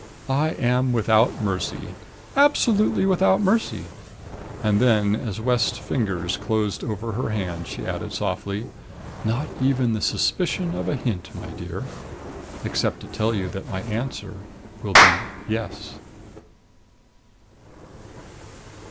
"I am without mercy absolutely without mercy!" And then, as West's fingers closed over her hand, she added softly: "Not even the suspicion of a hint, my dear except to tell you that my answer will be yes."